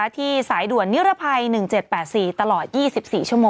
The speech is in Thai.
ที่สายด่วนนิรภัย๑๗๘๔ตลอด๒๔ชั่วโมง